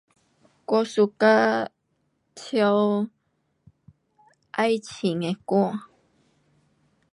我 suka 唱爱情的歌。